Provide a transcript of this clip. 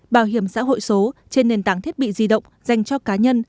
bảo hiểm xã hội số trên nền tảng thiết bị di động dành cho cá nhân